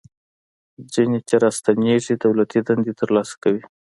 ځینې چې راستنیږي دولتي دندې ترسره کوي.